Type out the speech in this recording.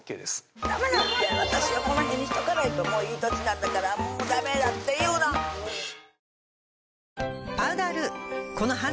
ダメだって私はこの辺にしとかないともういい年なんだからもうダメだっていうのうん皆さん